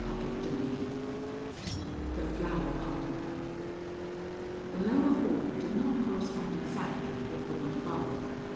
XVII THE FLOWER PARLOR The lower hall did not correspond exactly with the one above.